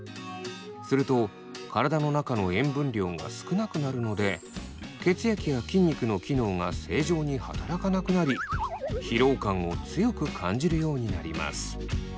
すると体の中の塩分量が少なくなるので血液や筋肉の機能が正常に働かなくなり疲労感を強く感じるようになります。